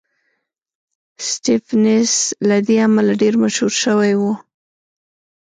سټېفنس له دې امله ډېر مشهور شوی و